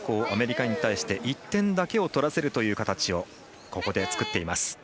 アメリカに対して１点だけを取らせるという形をここで作っています。